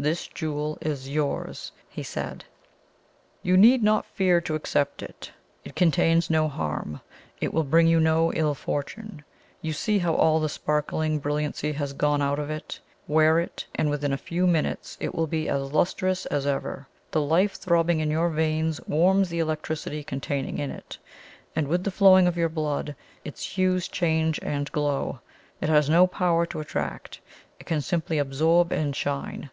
"This jewel is yours," he said. "You need not fear to accept it it contains no harm! it will bring you no ill fortune. You see how all the sparkling brilliancy has gone out of it? Wear it, and within a few minutes it will be as lustrous as ever. The life throbbing in your veins warms the electricity contained in it; and with the flowing of your blood, its hues change and glow. It has no power to attract; it can simply absorb and shine.